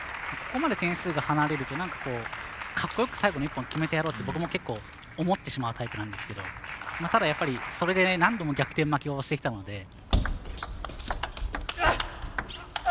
ここまで点数が離れるとなんか、かっこよく最後の１本、決めてやろうって思ってしまうタイプなんですけどただ、やっぱりそれで何度も逆転負けをしてきたので。